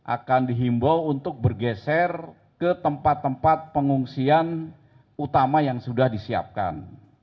akan dihimbau untuk bergeser ke tempat tempat pengungsian utama yang sudah disiapkan